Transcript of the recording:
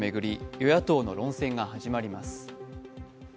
与野党の論戦が始まります。